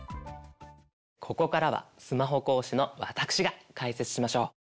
ここからはスマホ講師の私が解説しましょう。